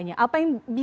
dan ada saja yang terjadi